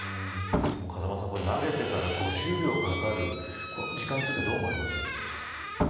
風間さん、投げてから５０秒かかるこの時間についてどう思われますか。